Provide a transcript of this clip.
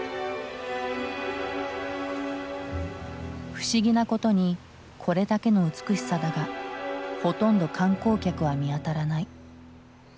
不思議なことにこれだけの美しさだがほとんど観光客は見当たらない。